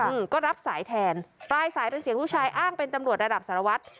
อืมก็รับสายแทนปลายสายเป็นเสียงลูกชายอ้างเป็นตำรวจระดับสารวัตร